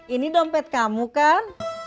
ini dompet kamu kan